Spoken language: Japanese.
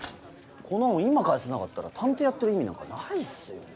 この恩を今返さなかったら探偵やってる意味なんかないっすよ。